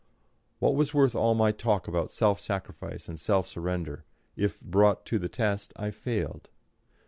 What was worth all my talk about self sacrifice and self surrender, if, brought to the test, I failed?